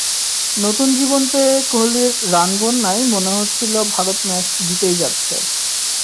নতুন জীবন পেয়ে কোহলির রানবন্যায় মনে হচ্ছিল ভারত ম্যাচ জিতেই যাচ্ছে।